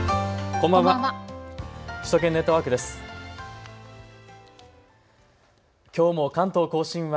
こんばんは。